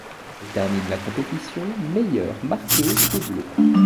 Elle termine la compétition meilleure marqueuse des Bleues.